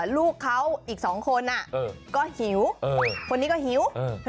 ลูกเขาอีก๒คนก็หิวคนนี้ก็หิว